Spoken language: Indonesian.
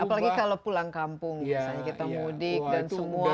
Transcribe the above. apalagi kalau pulang kampung misalnya kita mudik dan semua